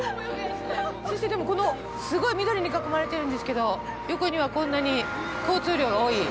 そして、でもこのすごい緑に囲まれてるんですけど横には、こんなに交通量が多い。